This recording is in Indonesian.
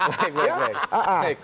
baik baik baik